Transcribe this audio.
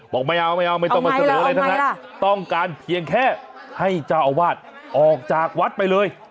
บอกไม่เอาไม่ต้องมาเสนอเลยนะครับต้องการเพียงแค่ให้เจ้าอาวาสออกจากวัดไปเลย